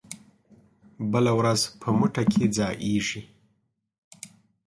بله ورځ په مو ټه کې ځائېږي